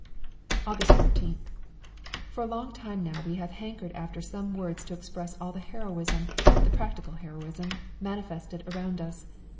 August 13th. For a long time now we have hankered after some words to express all the heroism, the practical heroism, manifested around us.